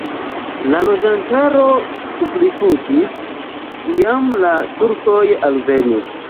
La loĝantaro rifuĝis, kiam la turkoj alvenis.